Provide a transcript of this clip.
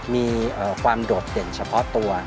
มีความโดดเด่นเฉพาะตัว